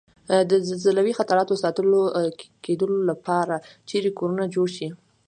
د زلزلوي خطراتو ساتل کېدو لپاره چېرې کورنه جوړ شي؟